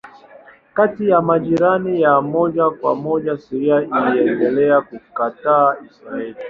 Kati ya majirani ya moja kwa moja Syria iliendelea kukataa Israeli.